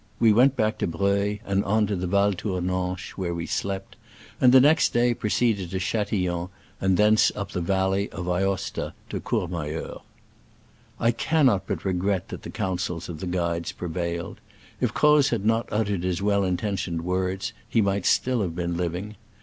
We went back to Breuil, and on to Val Tour nanche, where we slept; and the next day proceeded to Chatillon, and thence up the valley of Aosto to Cormayeur. I cannot but regret that the counsels of the guides prevailed. If Croz had not uttered his well intentioned words he might still have been living.